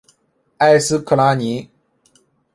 埃斯克拉尼。